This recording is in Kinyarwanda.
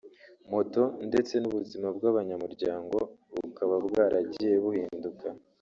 moto ndetse n’ubuzima bw’abanyamuryango bukaba bwaragiye buhinduka